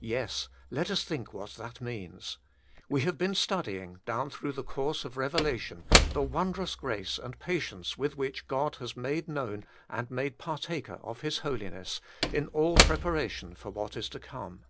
Yes, let us think what that means. We have been studying, down through the course of Eevelation, the wondrous grace and patience with which God has made known and made par taker of His holiness, all in preparation for what is to come.